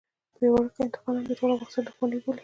يو وړوکی انتقاد هم د ټول افغانستان دښمني بولي.